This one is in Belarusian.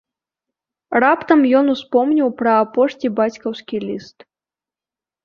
Раптам ён успомніў пра апошні бацькаўскі ліст.